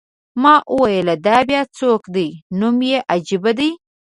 ما وویل: دا بیا څوک دی؟ نوم یې عجیب دی.